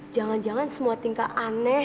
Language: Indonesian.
jangan jangan semua tingkat aneh